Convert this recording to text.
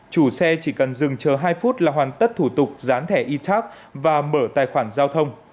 chủ xe chỉ cần dừng chờ hai phút là hoàn tất thủ tục dán thẻ e tac và mở tài khoản giao thông